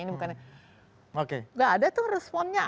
nggak ada tuh responnya